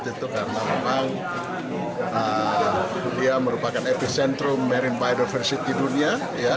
itu karena memang dunia merupakan epicentrum marine biodiversity di dunia